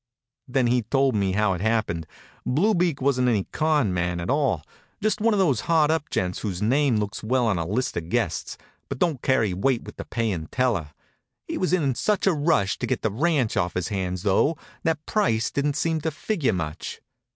Then he told me how it happened. Blue Beak wasn't any con. man at all, just one of those hard up gents whose names look well in a list of guests, but don't carry weight with the paying teller. He was in such a rush to get the ranch off his hands, though, that price didn't seem to figure much.